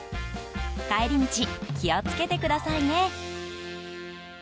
帰り道、気を付けてくださいね。